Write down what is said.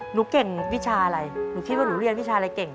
หนูเก่งวิชาอะไรหนูคิดว่าหนูเรียนวิชาอะไรเก่ง